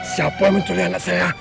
siapa yang menculik anak saya